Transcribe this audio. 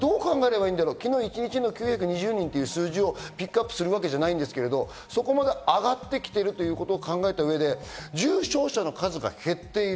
昨日の９２０人という数字をピックアップするわけじゃないですけど、そこまで上がってきているということを考えた上で重症者の数が減っている。